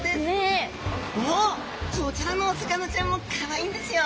こちらのお魚ちゃんもかわいいんですよ。